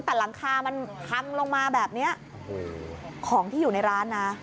แต่หลังคามันพังลงมาแบบนี้ของที่อยู่ในร้านนะ